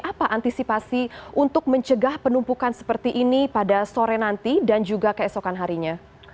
apa antisipasi untuk mencegah penumpukan seperti ini pada sore nanti dan juga keesokan harinya